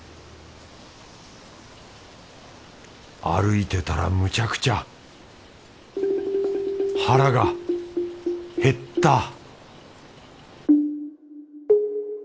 歩いてたらむちゃくちゃ腹が減った